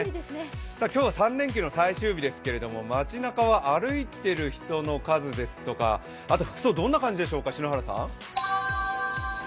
今日は３連休の最終日ですけれども街なかは歩いている人の数やあと服装、どんな感じでしょうか。